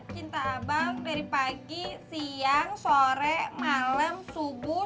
cinta abang dari pagi siang sore malam subuh